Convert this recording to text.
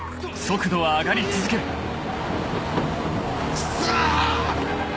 クソ！